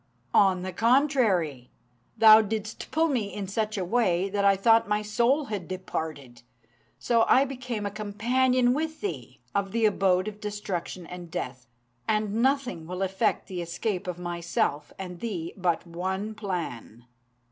On the contrary, thou didst pull me in such a way that I thought my soul had departed, so I became a companion with thee of the abode of destruction and death; and nothing will effect the escape of myself and thee but one plan.